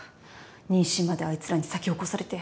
妊娠まであいつらに先を越されて。